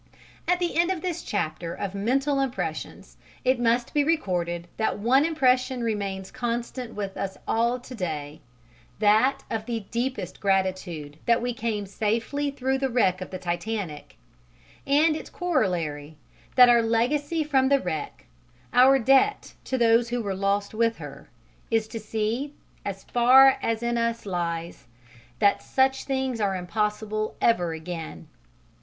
At the end of this chapter of mental impressions it must be recorded that one impression remains constant with us all to day that of the deepest gratitude that we came safely through the wreck of the Titanic; and its corollary that our legacy from the wreck, our debt to those who were lost with her, is to see, as far as in us lies, that such things are impossible ever again.